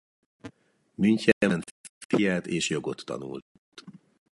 Münchenben filológiát és jogot tanult.